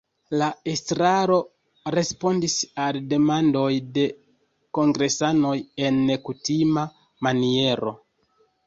La estraro respondis al demandoj de kongresanoj en nekutima maniero.